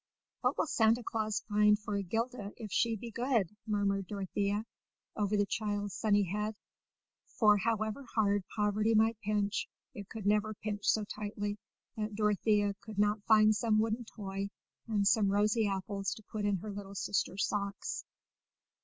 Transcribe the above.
"What will Santa Claus find for 'Gilda if she be good?" murmured Dorothea over the child's sunny head; for, however hard poverty might pinch, it could never pinch so tightly that Dorothea would not find some wooden toy and some rosy apples to put in her little sister's socks.